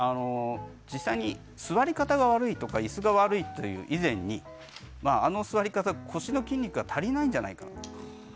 実際に座り方が悪いとか椅子が悪いという以前にあの座り方、腰の筋肉が足りないんじゃないかと。